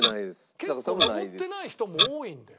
結構登ってない人も多いんだよ。